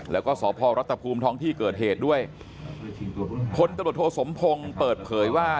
แล้วก็สพรัฐภูมิท้องที่เกิดเหตุด้วยพลตำรวจโทสมพงศ์เปิดเผยว่า